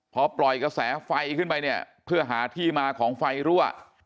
พอปล่อยกระแสไฟขึ้นไปเนี่ยเพื่อหาที่มาของไฟรั่ว